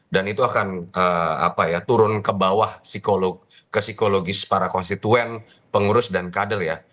dan itu akan turun ke bawah ke psikologis para konstituen pengurus dan kader ya